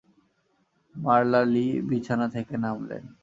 মারলা Lee বিছানা থেকে নামলেন।